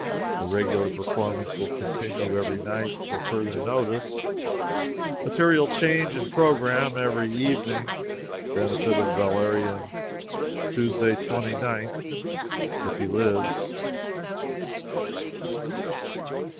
The regular performance will continue every night till further notice. Material change of programme every evening. Benefit of Valerian, Tuesday, 29th, if he lives."